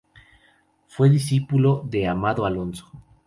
Fue discípulo de Amado Alonso.